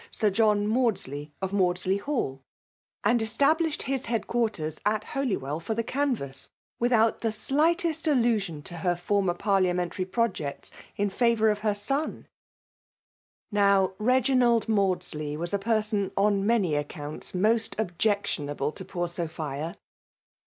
Sir Jolm Uaudsiey, of Maudsley Hall, and establMhad 104 FEMALE DOMINATION. his head quarters at Holywell for the cauvassi \vithout the slightest allusion to her , ibrmev parliamentary projects in favour of her sqjxI Now Keginald Maudsley was a person ou many accounts most objectionable to poor Sophia.